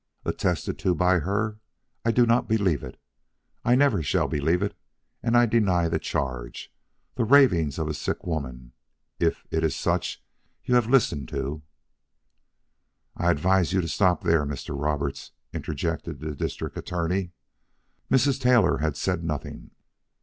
"Attested to by her? I do not believe it. I never shall believe it, and I deny the charge. The ravings of a sick woman, if it is such you have listened to " "I advise you to stop there, Mr. Roberts," interjected the District Attorney. "Mrs. Taylor has said nothing.